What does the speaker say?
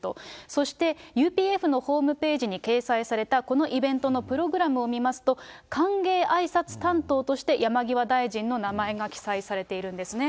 そして、ＵＰＦのホームページに掲載されたこのイベントのプログラムを見ますと、歓迎挨拶担当として、山際大臣の名前が記載されているんですね。